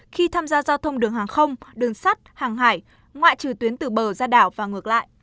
khi tham gia giao thông đường hàng không đường sắt hàng hải ngoại trừ tuyến từ bờ ra đảo và ngược lại